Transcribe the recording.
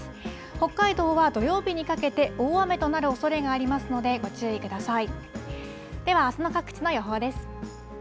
北海道は土曜日にかけて大雨となるおそれがありますので、ご注意ください。